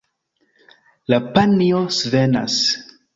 La panjo svenas.